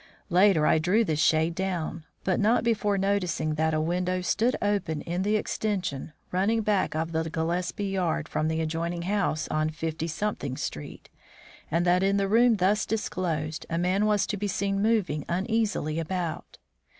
Later, I drew this shade down, but not before noticing that a window stood open in the extension running back of the Gillespie yard from the adjoining house on Fifty Street, and that in the room thus disclosed a man was to be seen moving uneasily about.